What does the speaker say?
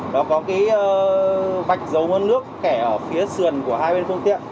nó có cái vạch dấu bốn h nước kẻ ở phía sườn của hai bên phương tiện